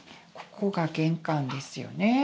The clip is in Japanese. ここが玄関ですよね